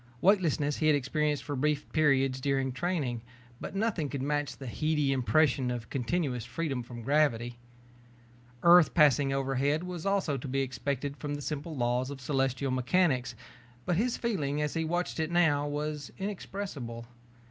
Weightlessness he had experienced for brief periods during training, but nothing could match the heady impression of continuous freedom from gravity. Earth passing overhead was also to be expected from the simple laws of celestial mechanics but his feeling as he watched it now was inexpressible.